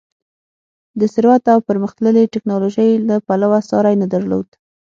د ثروت او پرمختللې ټکنالوژۍ له پلوه ساری نه درلود.